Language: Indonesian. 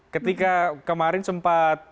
ketika kemarin sempat